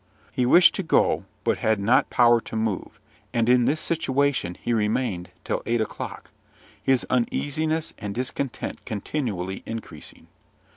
He wished to go, but had not power to move; and in this situation he remained till eight o'clock, his uneasiness and discontent continually increasing.